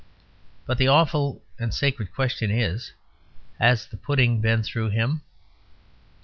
But the awful and sacred question is "Has the pudding been through him?"